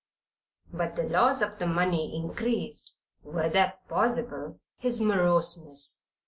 But the loss of the money increased (were that possible) his moroseness.